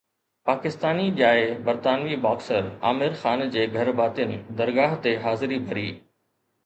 پاڪستاني ڄائي برطانوي باڪسر عامر خان جي گهرڀاتين درگاهه تي حاضري ڀري